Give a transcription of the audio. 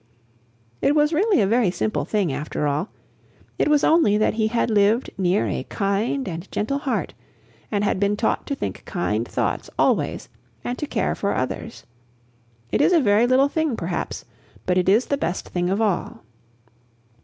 It was really a very simple thing, after all, it was only that he had lived near a kind and gentle heart, and had been taught to think kind thoughts always and to care for others. It is a very little thing, perhaps, but it is the best thing of all.